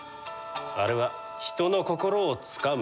あれは人の心をつかむ天才じゃ。